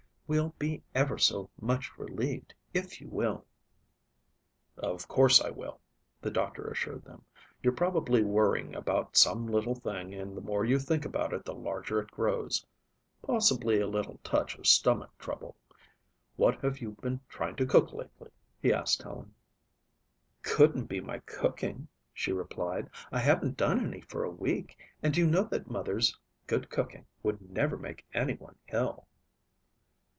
We'll be ever so much relieved if you will." "Of course I will," the doctor assured them. "You're probably worrying about some little thing and the more you think about it, the larger it grows. Possibly a little touch of stomach trouble. What have you been trying to cook, lately?" he asked Helen. "Couldn't be my cooking," she replied. "I haven't done any for a week and you know that Mother's good cooking would never make anyone ill."